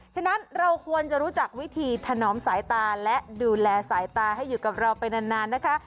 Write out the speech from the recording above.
ฉะนั้นเราควรจะรู้จักวิธีถนอมสายตาและดูแลสายตาให้อยู่กับเราไปนานนะคะ